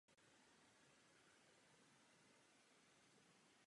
Na tomto albu si naposledy jako člen Psích vojáků zahrál saxofonista Jiří Jelínek.